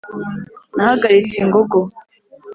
Nahagaritse ingogo